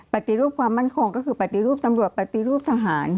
ปฏิรูปความมั่นคงก็คือปฏิรูปตำรวจปฏิรูปทหาร